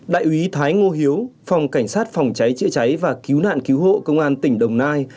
đại úy thái ngô hiếu phòng cảnh sát phòng cháy chữa cháy và cứu nạn cứu hộ công an tỉnh đồng nai